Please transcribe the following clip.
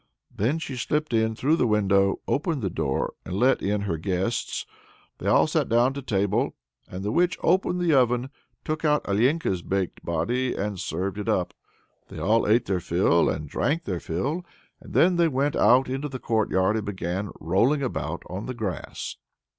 Then she slipped in through the window, opened the door, and let in her guests. They all sat down to table, and the witch opened the oven, took out Alenka's baked body, and served it up. They all ate their fill and drank their fill, and then they went out into the courtyard and began rolling about on the grass.